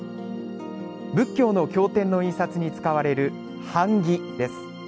仏教の経典の印刷に使われる版木です。